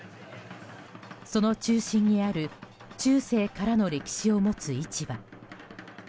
その中心にある中世からの歴史を持つ市場。